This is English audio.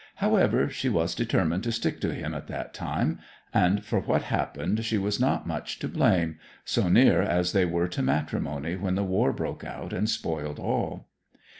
However, she was determined to stick to him at that time; and for what happened she was not much to blame, so near as they were to matrimony when the war broke out and spoiled all.'